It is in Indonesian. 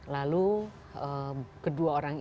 lalu kedua orang itu